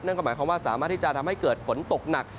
ก็หมายความว่าสามารถที่จะทำให้เกิดฝนตกหนัก